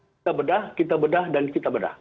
kita bedah kita bedah dan kita bedah